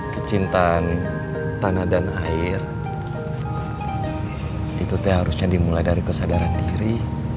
kecintaan tanah dan air itu harusnya dimulai dari kesadaran diri